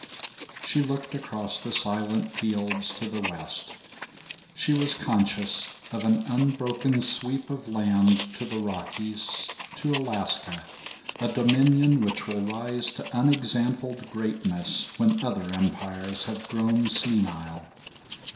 She looked across the silent fields to the west. She was conscious of an unbroken sweep of land to the Rockies, to Alaska, a dominion which will rise to unexampled greatness when other empires have grown senile.